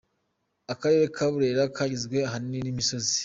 Akarere ka Burera kagizwe ahanini n’imisozi.